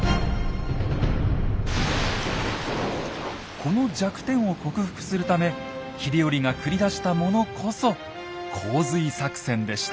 この弱点を克服するため秀頼が繰り出したものこそ洪水作戦でした。